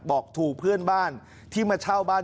บอกถูกเพื่อนบ้านที่มาเช่าบ้าน